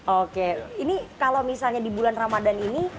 oke ini kalau misalnya di bulan ramadan ini